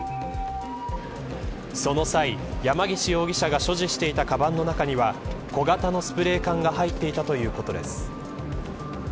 その際、山岸容疑者が所持していたかばんの中には小型のスプレー缶が入っていたということです。